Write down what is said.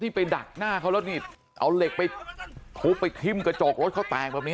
ไปดักหน้าเขาแล้วนี่เอาเหล็กไปทุบไปทิ้มกระจกรถเขาแตกแบบนี้